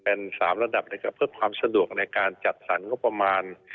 เป็น๓ระดับเพื่อความสะดวกในการจัดสรรงบประมาณ